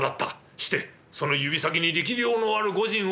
してその指先に力量のある御仁は？」。